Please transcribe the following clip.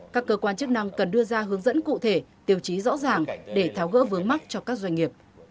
các cơ quan chức năng cần đưa ra hướng dẫn cụ thể tiêu chí rõ ràng để tháo gỡ vướng mắt cho các doanh nghiệp